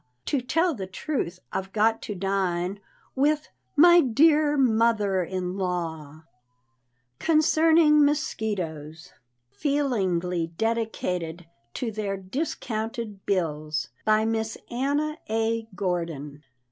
To tell the truth, I've got to dine With my dear mother in law!" Harper's Weekly. CONCERNING MOSQUITOES. Feelingly Dedicated to their Discounted Bills. BY MISS ANNA A. GORDON.